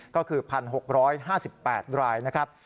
ก็คือ๑๖๕๘รายนะครับ